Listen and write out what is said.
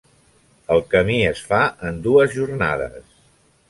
El camí es fa en dues jornades.